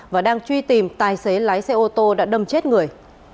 và đang truy tìm tài xế lái xe ô tô đã đâm chết người